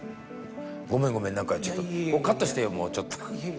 ごめんごめん何かカットしてよもうちょっと。